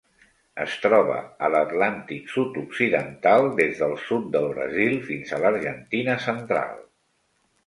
Es troba a l'Atlàntic sud-occidental: des del sud del Brasil fins a l'Argentina central.